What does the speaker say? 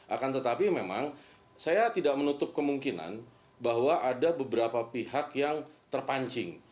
akan tetapi memang saya tidak menutup kemungkinan bahwa ada beberapa pihak yang terpancing